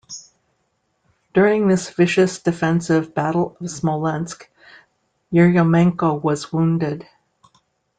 During this vicious defensive Battle of Smolensk, Yeryomenko was wounded.